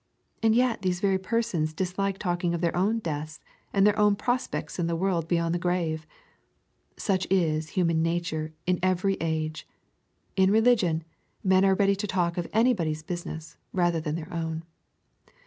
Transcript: And yet these very persons dislike talking of their own deaths, and their own prospects in the world beyond the grave. Such is human nature in every age. In religion, men are ready to talk of anybotly's business rather than their own.